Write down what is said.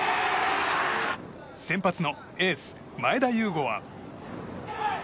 先発のエース、前田悠伍は。